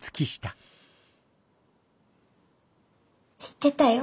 知ってたよ。